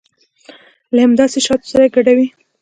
له همداسې شاتو سره ګډوي.